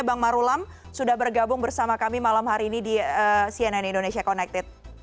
bang marulam sudah bergabung bersama kami malam hari ini di cnn indonesia connected